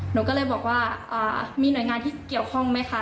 หนูก็เลยบอกว่ามีหน่วยงานที่เกี่ยวข้องไหมคะ